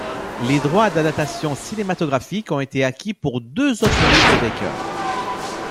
Les droits d'adaptation cinématographique ont été acquis pour deux autres livres de Baker.